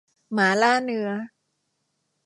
หมาล่าเนื้อ